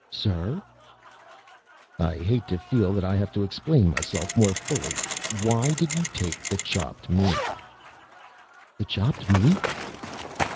"Sir?" "I hate to feel that I have to explain myself more fully. Why did you take the chopped meat?" "The chopped meat?"